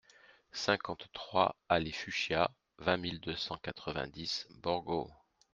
cinquante-trois allée Fuschia, vingt mille deux cent quatre-vingt-dix Borgo